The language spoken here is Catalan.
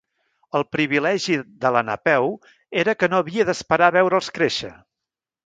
El privilegi de la Napeu era que no havia d'esperar a veure'ls créixer.